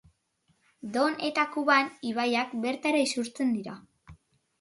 Don eta Kuban ibaiak bertara isurtzen dira.